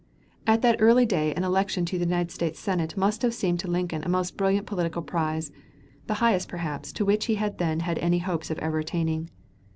At that early day an election to the United States Senate must have seemed to Lincoln a most brilliant political prize, the highest, perhaps, to which he then had any hopes of ever attaining.